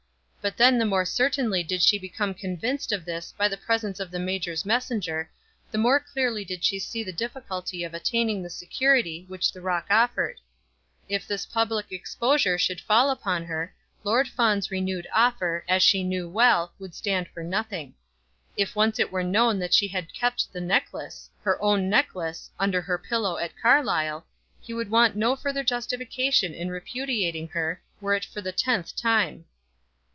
But then the more certainly did she become convinced of this by the presence of the major's messenger, the more clearly did she see the difficulty of attaining the security which the rock offered. If this public exposure should fall upon her, Lord Fawn's renewed offer, as she knew well, would stand for nothing. If once it were known that she had kept the necklace, her own necklace, under her pillow at Carlisle, he would want no further justification in repudiating her, were it for the tenth time.